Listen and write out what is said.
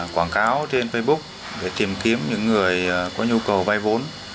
quảng cáo trên facebook để tìm kiếm những người có nhu cầu vay vốn